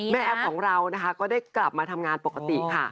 แม่แอ๊บของเราก็ได้กลับมาทำงานปกติค่ะ